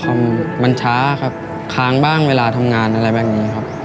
มันช้าครับค้างบ้างเวลาทำงานอะไรแบบนี้ครับ